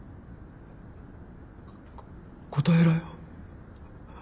答えろよ。